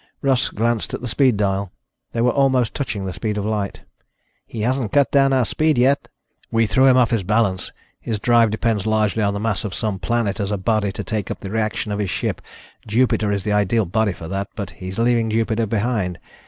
Russ glanced at the speed dial. They were almost touching the speed of light. "He hasn't cut down our speed yet." "We threw him off his balance. His drive depends largely on the mass of some planet as a body to take up the reaction of his ship. Jupiter is the ideal body for that ... but he's leaving Jupiter behind.